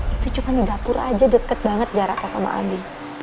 itu cuma di dapur aja deket banget jaraknya sama adi